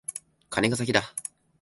カネが先だ。